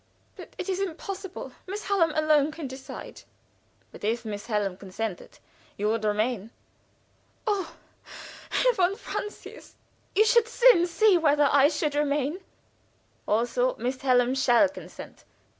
"But it is impossible. Miss Hallam alone can decide." "But if Miss Hallam consented, you would remain?" "Oh! Herr von Francius! You should soon see whether I would remain!" "Also! Miss Hallam shall consent.